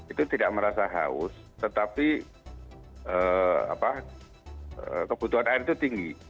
itu tidak merasa haus tetapi kebutuhan air itu tinggi